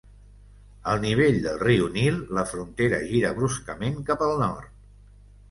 Al nivell de riu Nil, la frontera gira bruscament cap al nord.